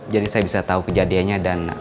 jadi saya bisa tahu kejadianya dan